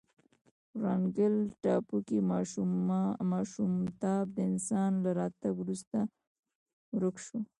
ورانګل ټاپو کې ماموتان د انسان له راتګ وروسته ورک شول.